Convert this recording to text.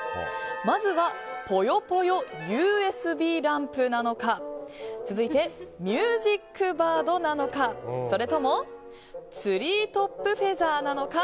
まずはポヨポヨＵＳＢランプなのか続いてミュージックバードなのかそれともツリートップフェザーなのか。